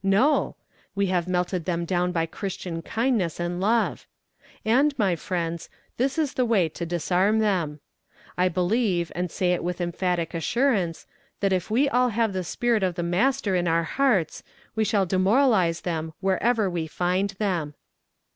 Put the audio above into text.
No! We have melted them down by christian kindness and love. And, my friends, this is the way to disarm them. I believe, and say it with emphatic assurance, that if we all have the spirit of the Master in our hearts we shall demoralize them wherever we find them!